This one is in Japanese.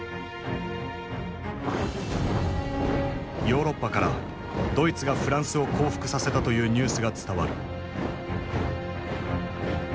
ヨーロッパからドイツがフランスを降伏させたというニュースが伝わる。